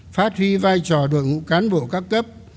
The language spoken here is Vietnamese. phát huy vai trò đội ngũ cán bộ các cấp